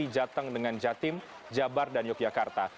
jateng dengan jatim jabar dan yogyakarta